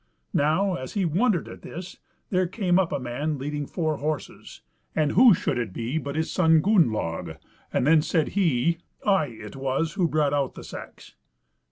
Now, as he wondered at this, there came up a man leading four horses, and who should it be but his son Gunnlaug. Then said he: "I it was who brought out the sacks."